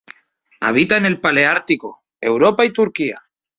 Habita en el paleártico: Europa y Turquía.